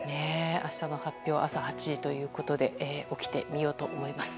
明日の発表朝８時ということで起きて、見ようと思います。